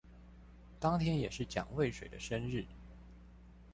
當天也是蔣渭水的生日